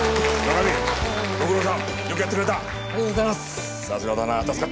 ありがとうございます。